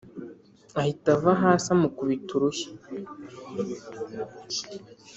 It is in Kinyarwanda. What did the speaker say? ahita ava hasi amukubita urushyi